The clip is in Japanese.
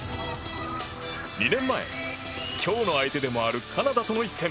２年前、今日の相手でもあるカナダとの一戦。